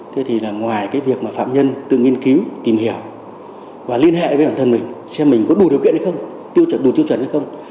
thế thì là ngoài cái việc mà phạm nhân tự nghiên cứu tìm hiểu và liên hệ với bản thân mình xem mình có đủ điều kiện hay không tiêu chuẩn đủ tiêu chuẩn hay không